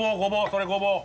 それごぼう。